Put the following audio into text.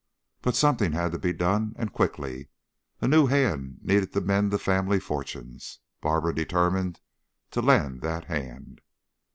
But something had to be done, and quickly; a new hand needed to mend the family fortunes. Barbara determined to lend that hand.